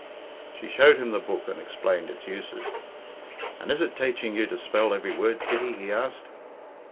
She showed him the book and explained its uses. "And is it taiching you to spell every word, Kitty?" he asked.